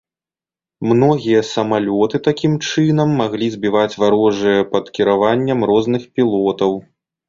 Многія самалёты, такім чынам, маглі збіваць варожыя пад кіраваннем розных пілотаў.